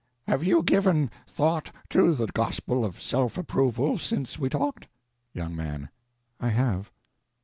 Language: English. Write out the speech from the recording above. Have you given thought to the Gospel of Self—Approval since we talked? Young Man. I have.